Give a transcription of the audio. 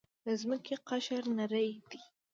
د ځمکې قشر نری دی.